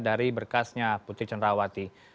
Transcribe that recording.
dari berkasnya putri cenrawati